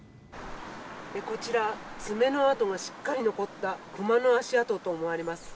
こちら爪の痕がしっかり残った熊の足跡と思われます。